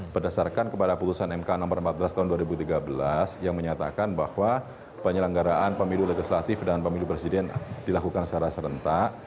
berdasarkan kepada putusan mk no empat belas tahun dua ribu tiga belas yang menyatakan bahwa penyelenggaraan pemilu legislatif dan pemilu presiden dilakukan secara serentak